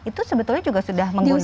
itu sebetulnya juga sudah menggunakan